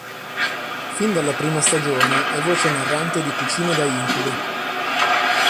Fin dalla prima stagione è voce narrante di "Cucine da incubo".